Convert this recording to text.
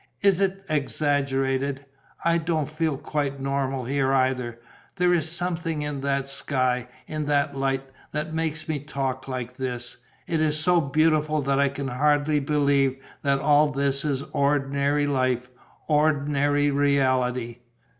Is it exaggerated? I don't feel quite normal here either: there is something in that sky, in that light, that makes me talk like this. It is so beautiful that I can hardly believe that all this is ordinary life, ordinary reality....